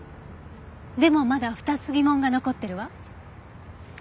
でもまだ２つ疑問が残ってるわ。